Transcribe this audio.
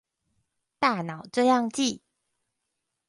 大腦這樣記憶